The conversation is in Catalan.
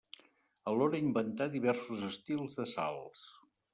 Alhora inventà diversos estils de salts.